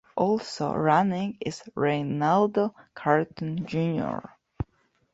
Also running is Reynaldo Canton Jr.